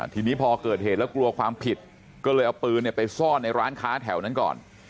ทีนี้พอเกิดเหตุแล้วกลัวความผิดก็เลยเอาปืนไปซ่อนในร้านค้าแถวนั้นก่อน